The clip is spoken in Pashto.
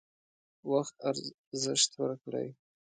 وخت ارزښت ورکړئ